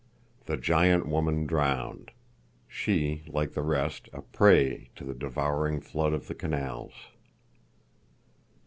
The Giant Woman Drowned. She, Like the Rest, a Prey to the Devouring Flood of the Canals.